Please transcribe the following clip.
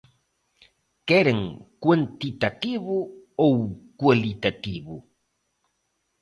¿Queren cuantitativo ou cualitativo?